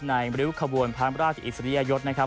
ในริวขบวนพันธุ์ราชอิสริยะยศนะครับ